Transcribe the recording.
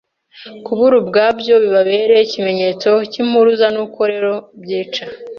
kubura ubwabyo bibabere ikimenyetso cyimpuruza, nuko rero byica